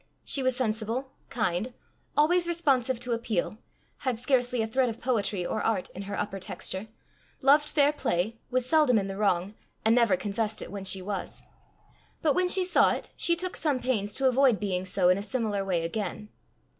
She was sensible, kind, always responsive to appeal, had scarcely a thread of poetry or art in her upper texture, loved fair play, was seldom in the wrong, and never confessed it when she was. But when she saw it, she took some pains to avoid being so in a similar way again.